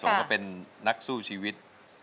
เขาก็เป็นนักสู้ชีวิต